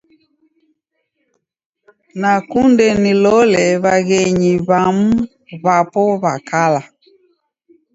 Nakunde nilole w'aghenyu w'amu w'apo w'a kala.